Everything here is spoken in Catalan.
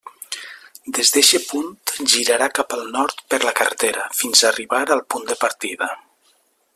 Des d'eixe punt, girarà cap al nord per la carretera, fins a arribar al punt de partida.